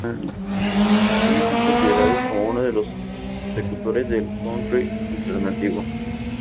Hoy están considerados como unos de los precursores del country alternativo.